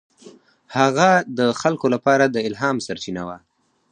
هغه د خلکو لپاره د الهام سرچینه وه.